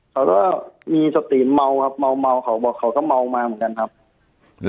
เขาก็มีสติเมาครับเมาเมาเขาบอกเขาก็เมามาเหมือนกันครับ